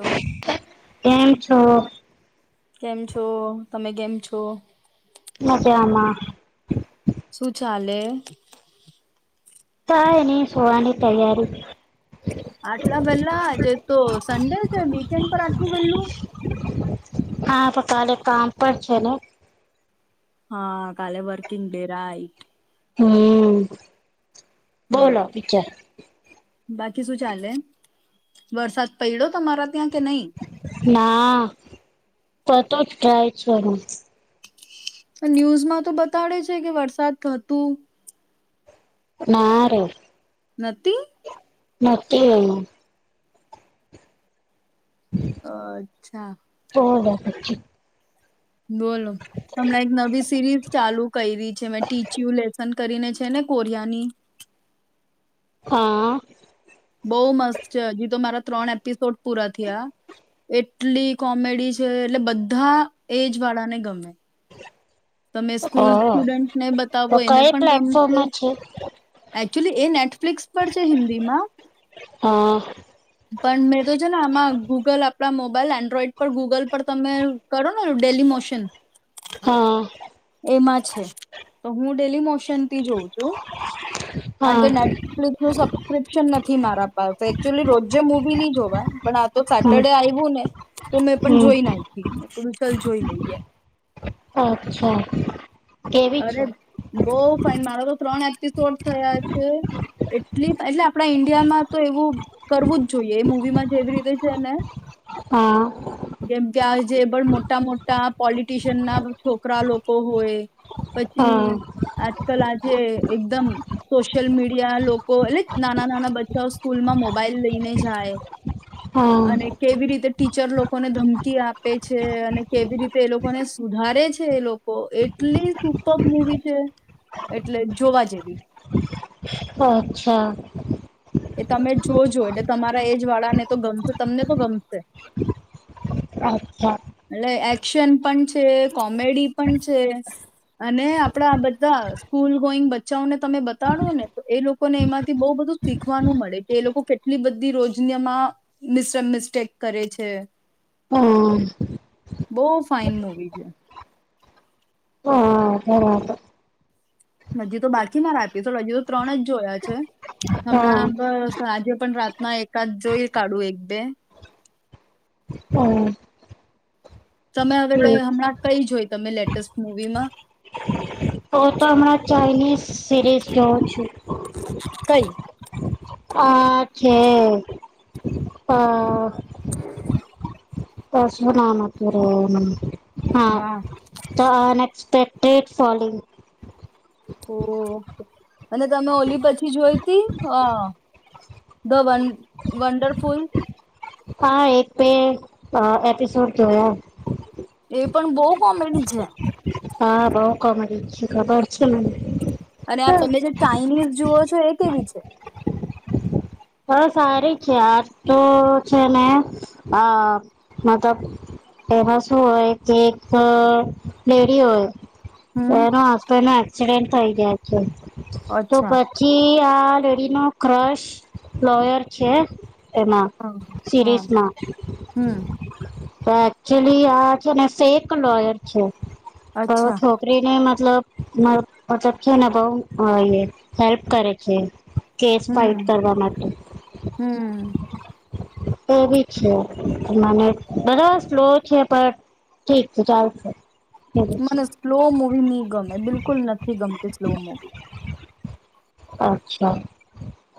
Hello. કેમ છો છો કેમ છો તમે કેમ છો મજામાં શું ચાલે કાયની સુવાની તૈયારી આટલા વેલ્લા જે તો સન્ડે છે વીકેન્ડ પર આટલું વેલ્લું હા તો કાલે કામ પણ છે ને હા કાલે વર્કિંગ ડે રાઈટ હમ બોલો બીજા બાકી શું ચાલે વરસાદ પયડો તમારા ત્યાં કે નહી? ના પડ તો જ જાય છે રોજ ન્યૂઝમાં તો બતાડે છે કે વરસાદ હતું ના રે નથી નથી એવું અચ્છા હો બાપા જી બોલો હમણાં એક નવી સિરીઝ ચાલુ કઈરી છે મે ટિચિયું લેસન કરીને છે ને કોરિયાની હા બહુ મસ્ત છે હજી તો મારા ત્રણ એપિસોડ પૂરા થયા એટલી કોમેડી છે એટલે બધા એજ વાળાને ગમે તમે સ્કૂલ હ સ્ટુડન્ટ ને તો બતાવો એને કઈ પણ ગમશે પ્લેટફોર્મમાં છે એ એકચ્યુલી એ નેટ ફ્લિક્સ પર છે હિન્દીમાં હા પણ મેં તો છે ને આમાં ગૂગલ આપણા મોબાઈલ એન્ડ્રોઈડ પર ગૂગલ પર તમે કરો ને ડેલી મોશન હા એમાં છે તો હું ડેલી મોશ સનથી જોઉ છુ હા કાણકે નેટફ્લિક્સનું સબ્ક્રિપશન નથી મારા પાહે અક્ટયુલી રોજે મુવીની જોવાય પણ આ તો હમ સેટરડે આવ્યું ને તો મેં પણ હમ જોઈ નાઇખી મેં કીધુ ચલ જોઈ લઈએ [inaudible] અરે છે બહ ફાઇન મારો તો ત્રણ એપિસોડ થયા છે એટલી એટલે આપડા ઈન્ડિયામાં તો એવું કરવું જ જોઈએ એ મુવીમાં જેવી રીતે છે ને હા જેમ કે આ જેે પણ મોટા મોટા પોલીટીશિયન ના છોકરા લોકો હોય પછી હા આજ કલ આજે એકદમ સોશિયલ મીડિયા લોકો એટલે જે નાના નાના બચ્ચા સ્કૂલમાં મોબાઈલ લઈને જાય હા અને કેવી રીતે ટીચર લોકો લોકોને ધમકી આપે છે અને કેવી રીતે એ લોકોને સુધારે છે એ લોકો એટલી સુપર મુવી છે એટલે જોવા જેવી અચ્છા એ તમે જોજો એટલે તમારા એજ વાળા ને તો ગમશે તમને તો ગમશે અચછા એટલે એક્શન પણ છે કોમેડી પણ છે અને આપડા બધા સ્કૂલ ગોઈંગ બચ્ચાઓને તમે બતાડો ને તો એ લોકોને એમાંથી બહુ બધું શીખવાનું મળે કે એ લોકો કેટલી બધી રોજનીમાં મિ મિસ્ટેક કરે છે હમ બહ ફાાઈન મુવી છે હા હજી તો બાકી માંરા હજી સુધી તો ત્રણ જ જોયા છે હા હમણાં બસ આંજે પણ રાતના એકાદ જોઈ કાઢું એક બે હું તમે હવે તો ક હમણાં કઈ જોય તમે લેટેસ્ટ મુવીમાં તો તો હમણાં ચાલીશ સીરીઝ જોઉં છું કઈ આ છે હ પસ નામ આપિયો રહે હા વાહ ત નેજ કે ડેટ સોલિંગ ઓકે અને તમે ઓલી પછી જોઈ ત હ ધ વ વંડરફુલ હા એક બે અ એપિસોડ જોય એ પણ બહુ કોમેડી છે હા બઉ કોમેડી છે ખબર છે મને અને આ તમે જે ચાઇનીઝ જુઓ છો એ કેવી છે હ સારી છે આજ તો છે ને અ મેતો પેલા શું હોય કે એક લેડી હોય હમ એનો હસબન્ટ એક્ચુલી થઈ જય છે તો અચ્છા પછી [unintelligible] ક્રશ લોયર છે એમાં હા હા સીરીજમાં હમ તો એક્ચ્યુલી આ છે ને ફેક લોયર છે. તો અચ્છા છોકરીને મ મતલબ મતલબ છે ને બહુ એ હેલ્પ કરે છે. કેસ ફાઈટ હમ કરવા માટે હમ એ બી છે મને બરાબર સ્લો છે પણ ઠીક છે ચાલશે. એવું છે મને સ્લો મુવી ની ગમે બિલકુલ નથી ગમતી સ્લો મુવી અચ્છા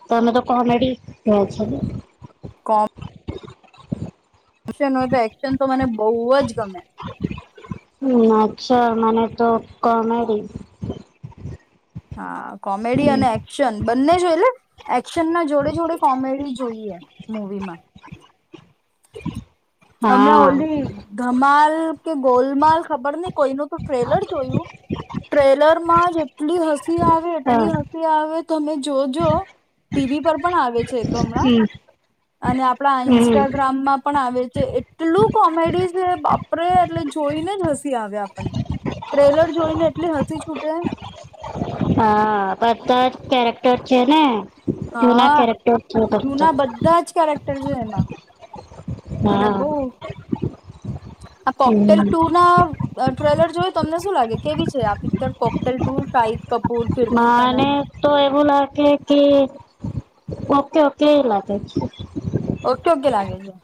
તમે તો કોમેડી જોવો છો ને કોમ એક્શન હોય તો એક્શન તો મને બહુ જ ગમે. હમ અચ્છા મને તો કોમેડી હા કોમેડી અને એક્શન બંને છે એટલે એક્શનના જોડે જોડે કોમેડી જોઈએ મુવીમાં [inaudible] હમણાં હા ઓલી ધમાલ કે ગોલમાલ ખબર નઈ કોઈનું તો ટ્રેલર જોયું. ટ્રેલરમાં જ એટલી હસી આવે હા એટલી હસી આવે તમે જોજો ટીવી પર પણ આવે છે એતો હમણાં હમ અને આપણા હમ ઇન્સ્ટાગ્રામમાં પણ આવે છે. એટલું કોમેડી છે બાપ રે! એટલે જોઈને જ હસી આવે આપણને ટ્રેલર જોઈને એટલી હસી છૂટે પપ્પા જ કેરેક ટર છે ને જૂના હા કેરેક્ટર છે ફક્ત જૂના બધાં જ કેરેક્ટર છે એમાં અને હા બહુ આ કોકટેલ હમ ટુ ના અ ટ્રેલર જોઈ તમને શું લાગે કેવી છે આ picture Cocktail two Shahid Kapoor, Kriti તનન મને તો એવું લાગે કે ઓકે ઓકે એ લાગે છે ઓકે ઓકે લાગે છે.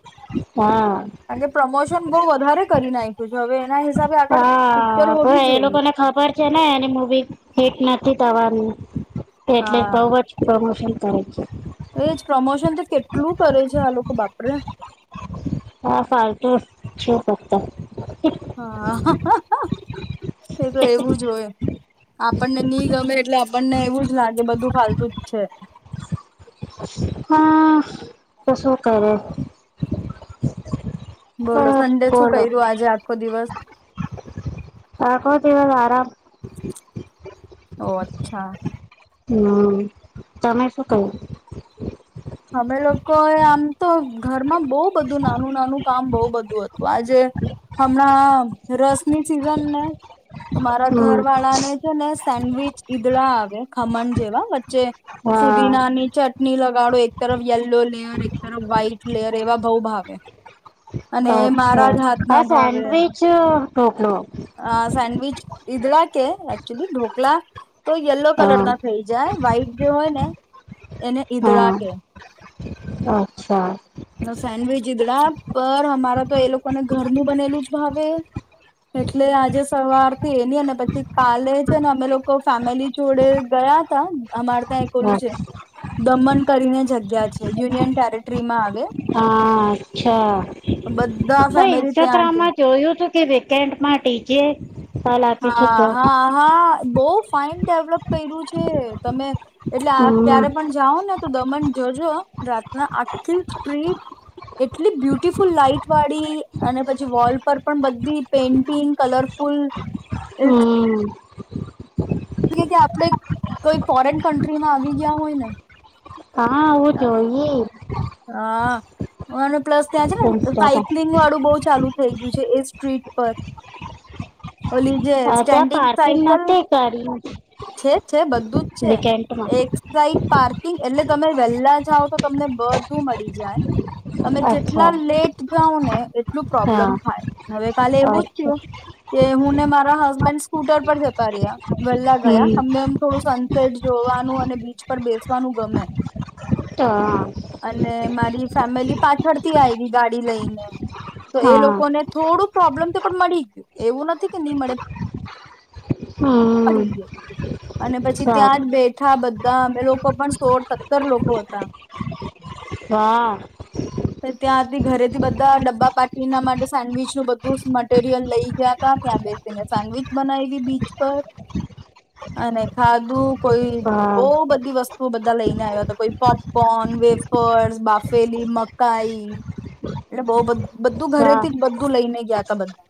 હા કારણ કે પ્રમોશન બહુ વધારે કરી નાખ્યું છે હવે એના હિસાબે આગળ પિક્ચર હા હોવી પણ એ જોઈએ લોકોને ખબર છે ને એની મુવી હિટ નથ નથી થવાની એટલે બહુ જ પ્રમોશન કરે છે એ જ પ્રમોશન તો કેટલું કરે છે આ લોકો બાપ રે! આ ફાલતુ છે ફક્ત હા [unintelligible] એ તો એવું જ હોય આપણને નહી ગમે એટલે આપણને એવું જ લાગે બધું ફતું જ છે. હા તો સુ કરો? બોલો સંડે શું કર્યું આજે આખો દિવસ [unintelligible] [unintelligible] ઓ અચ્છા. હમ્મ, તમે શું કર્યું? અમે લોકો એ આમ તો ઘરમાં બહુ બધું નાનું નાનું કામ બહુ બધું હતું આજે હમણાં ના રસ ની સિઝન ને તો મારા ઘર હમ વાળાને છે ને સેન્ડવીચ ઈદડા આવે ખમણ જેવા વચ્ચે હા ફુદીનાની ચટણી લગ [unintelligible] તરફ યલો લેયર એક તરફ વ્હાઈટ લેયર એવા બહુ ભાવે. અને એ અચ્છા મારા જ હાથ આ સેડવિચ [unintelligible] અ સેન્ડવિચ ઈદડા કે એક્ચુલી ઢોકલા. તો યલો કલર હા ના થઈ જાય વ્હાઈટ જે હોય ને એને ઈધડા હા કે. અચ્છા. સેન્ડવીચીઈદડા પર અમારા તો એ લોકોને ઘરનું બનેલું જ ભાવે એટલે આજે સવાર થી એની અને પછી કાલે છે ને અમે લોકો ફેમિલી જોડે ગયા તા. અમાર ત્યાં ઓલું છે હા દમન કરીને જગ્યા છે યુનિયન ટેરેટરી માં આવે. હા અચ્છા બધા કોઈ ફેમિલી ત્યાં છે ઇન્સ્ટાગ્રામમાં જોયું તું. કે વેકડમાં ટી જે. હા હા હા બહ ફઇન ડેવલપ કર્યું છે. તમે એટલે આ હમ ક્યારે પણ જાઓ ને તો દમણ જોજો રાતના આટલી સ્ટ્રીટ એટલી બ્યુટિફુલ લાઈટ વાળી અને પછી વોલ પર પણ બધી પેઇન્ટિંગ કલરફુલ. હમ્મ. [unintelligible] એ કે આપડે કોઈ ફોરેન કન્ટ્રીમાં આવી ગયા હોય ને હ કા આવું જોઈએ. આ. અને પ્લસ ત્યાં છે ને ઇન્સ્ટામાં સાયક્લિંગ વાળું બહુ ચાલુ થઈ ગયું છે એ સ્ટ્રીટ ઉપર ઓલી જેે અ ત્યાં સ્ટેન્ડિંગ પાર્કિંગ સાયકલ નથી ગાડી છે છે બધું જ વીકેન્ડમાં છે એક સાઈડ પાર્કિંગ એટલે તમે વેહેલા જાઓ તો તમને બ મળી જાય તમે જેટલા અચ્છા લેટ જાાવ ને એટલું પ્રોબ્લેમ હા થાય હવે કાલે એવું જ અચ્છા થયું કે હુંને મારા હસબન્ડ સ્કૂટર પર જતા રહ્યા વહેલા ગયા હમ અમે થોડું સનસેટ જોવાનું અને બીચ પર બેસવાનું ગમે તો આ અને મારી ફેમિલી પાછળથી આવી ગાડી લઈને તો એ હા લોકોને થોડુંક પ્રોબ્લેમ તો પણ મળી ગયો એવું નથી કે નહી મળે [unintelligible] હમ ગઈ અને પછી સારું ત્યાં જ બેઠા બધા મે લોકો પણ સોળ સત્તર લોકો હતા વાહ ત્યાંથી ઘરેથી બધા ડબ્બા પાટીના માટે સેન્ડવીચ નું બધું મટેરિયલ લઈ ગયા ત ત્યાં બેસીને સેન્ડવીચ બનાવી બીચ પર અને ખાધું કોઈ બહુ વાહ બધી વસ્તુઓ બધા લઈને આવ્યા તો કોઈ પોપ કોન વેફર્સ બાફેલી મકાઈ એટલે બહુ બધું બધું વાહ ઘરેથી જ બધું લઈને ગયા તા બધા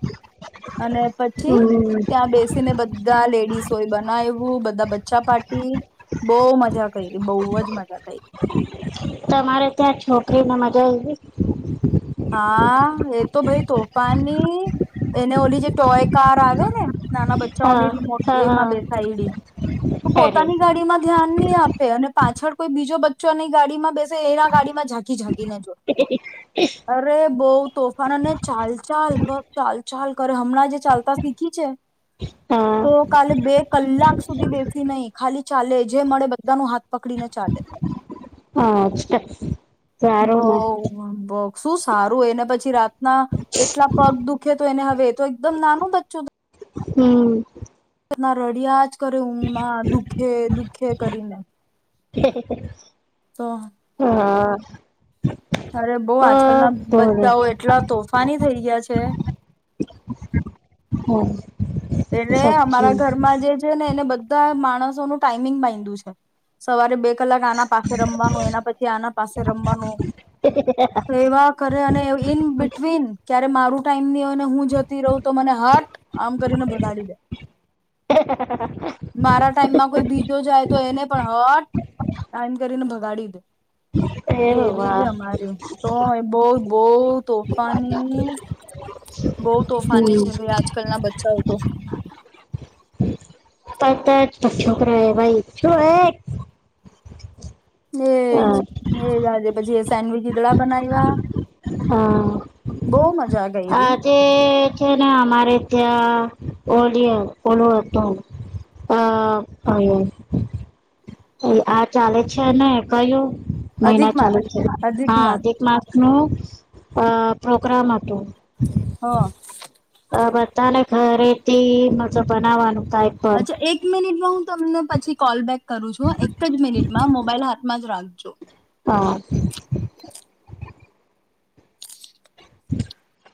અને પછી હમ ત્યાં બેસીને બધ બધા લેડીસય બનાવું બધા બચ્ચા પાર્ટી બહુ મજા કરી ર બહુ જ મજા કરી તમારે ત્યાં છોકરીને મજા આઇતી હા એ તો ભાઈ તોફાની એને ઓલી જે ટોય કાર આવે ને નાના હા બચ્ચાઓની રિમોટ હા એમાં બેસાયડી તો હા અરે પોતાની ગાડી માં ધ્યાન નહી આપે અને પાછળ કોઈ બીજો બચ્ચા નની ગાડીમાં બેસી એના ગાડી માં ઝાંકી ઝાંકીને જોએ અરે બઉ તોફાાન ને ચાલ ચાલ બસ ચાલ ચાલ કરે હમણાં જે ચાલતા શીખી છે હા તો કાલે બે કલાક સુધી બેસ નહી ખાલી ચાલે જે મળે બધા ન હાથ પકડીને ચાલે હા [unintelligible] બહુ ને બહુ શું સારું હોયને પછી રાત્રે ના એટલા પગ દુખે તો એને તો એકદમ નાનું બચ્ચું હમ ના રડીજ કરીયુ હુમા દુઃખે દુઃખ ખે કરીને [inaudible] તો [inaudible] અરે બઉ અ આજકાલના બોલો બચ્ચાઓ એટલા તોફાની થઇ ગયા છે હમ એટલે અમારા ઘરમાં જે છે ને એને બ ધા માણસો નું ટાઈમિંગ બાયધું છે સવારે બેક કલાક આના પાસે રમવાનું એના પછી આના પાસે રમવાનું એવા કરે અને ઈન બિટવીન ક મારું ટાઈમ ની હોય ને હું જતી રઉ તો મને હાટ કરીને ભગાડી દે મારા ટાઈમમાં કોઈ બીજો જાય તો એને પણ હટ એમ કરીને ભ ગાડી ડે એ એવી છે વાહ અમારી તો બઉ બઉ તોફાની બઉ તોફાની હમ છે આજકાલના બચ્ચાઓ તો પટ છોકરા ભાઈ પટ મેજ પછી સેન્ડવિચ દીધડા બનાવ્યા. હા. બઉ મેં આજે છે ને અમારે ત્યાં ઓડિયા [unintelligible] આ અ આ ચાલે છે ને કયું મહિના અધિકમાં ચાલુ છે હા અધિકમાં એક માસ નું અ પ્રોગ્રામ હતો હા. આ બધાને ઘરેથી મજા બનાવાનું કઈ પણ અચ્છા એક મિનિટમાં તમને પછી કોલ બેેક કરું છું એક જ મિનિટ માં મોબાઈલ હાથમાં જ રાન જો હા [inaudible]